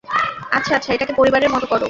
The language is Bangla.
আচ্ছা, আচ্ছা, এটাকে পরিবারের মতো করো।